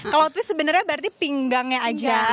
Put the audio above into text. kalau twist sebenernya berarti pinggangnya aja